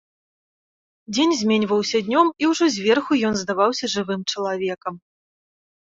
Дзень зменьваўся днём, і ўжо зверху ён здаваўся жывым чалавекам.